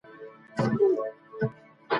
د بهرنی پالیسي ارزونه په منظم ډول نه ترسره کېږي.